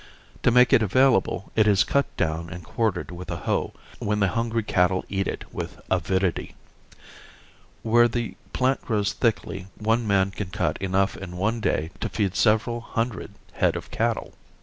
To make it available it is cut down and quartered with a hoe, when the hungry cattle eat it with avidity. Where the plant grows thickly one man can cut enough in one day to feed several hundred head of cattle.